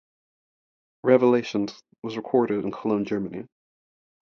"Revelations" was recorded in Cologne, Germany.